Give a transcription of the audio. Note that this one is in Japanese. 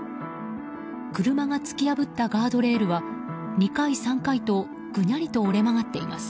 車が突き破ったガードレールは２回、３回とぐにゃりと折れ曲がっています。